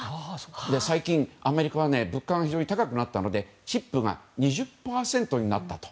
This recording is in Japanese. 最近アメリカは物価が非常に高くなったのでチップが２０％になったと。